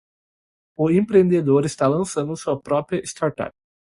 O empreendedor está lançando sua próxima startup.